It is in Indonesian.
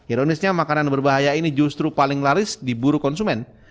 ironisnya makanan berbahaya ini justru paling laris diburu konsumen